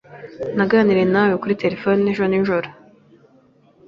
Naganiriye nawe kuri terefone ejo nijoro.